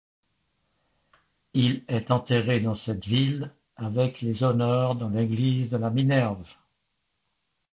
Il est enterré dans cette ville avec les honneurs dans l’église de la Minerve.